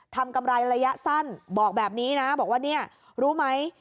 กำไรระยะสั้นบอกแบบนี้นะบอกว่าเนี่ยรู้ไหม